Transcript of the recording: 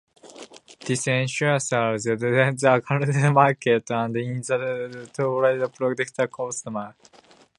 This ensures consistency in the accreditation market and is designed to protect the consumer.